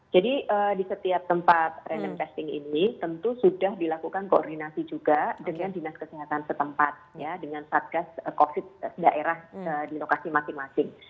jadi di setiap tempat random testing ini tentu sudah dilakukan koordinasi juga dengan dinas kesehatan setempat ya dengan statgas covid daerah di lokasi masing masing